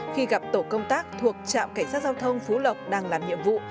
khi gặp tổ công tác thuộc trạm cảnh sát giao thông phú lộc đang làm nhiệm vụ